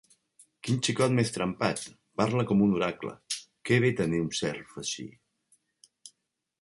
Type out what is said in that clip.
Quin xicot més trempat! Parla com un oracle. Que bé tenir un serf així!